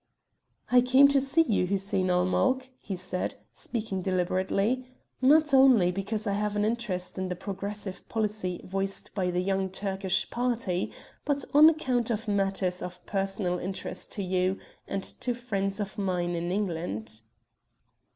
"I came to see you, Hussein ul Mulk," he said, speaking deliberately, "not only because I have an interest in the progressive policy voiced by the young Turkish party, but on account of matters of personal interest to you, and to friends of mine in England."